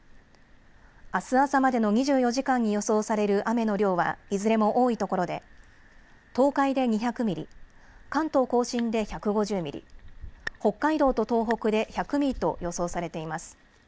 あす朝までの２４時間に予想される雨の量はいずれも多いところで東海で２００ミリ、関東甲信で１５０ミリ、北海道と東北で１００ミリと予想されています。